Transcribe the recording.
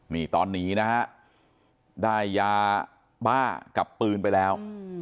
นี่ตอนนี้นะฮะได้ยาบ้ากับปืนไปแล้ว